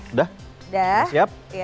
udah udah siap